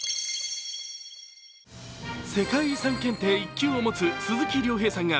世界遺産検定１級を持つ鈴木亮平さんが